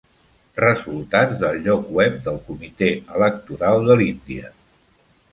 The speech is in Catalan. Resultats del lloc web del Comitè electoral de l'Índia.